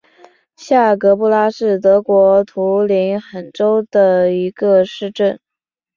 下格布拉是德国图林根州的一个市镇。